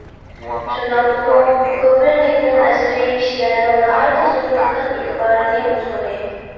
شۇنداقتىمۇ، كوپېرنىكنىڭ ئەسىرى كىشىلەرنىڭ ناھايىتى زور دىققەت-ئېتىبارىنى قوزغىدى.